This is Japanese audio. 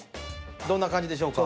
どんな感じでしょうか？